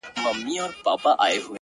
چوپ پاته كيږو نور زموږ خبره نه اوري څوك،